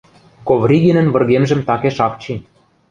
Ковригинӹн выргемжӹм такеш ак чи.